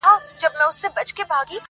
جاهلان مني خدایي د بندگانو -